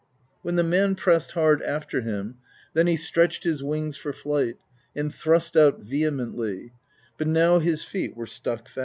When the man pressed hard after him, then he stretched his wings for flight, and thrust out vehemently, but now his feet were stuck fast.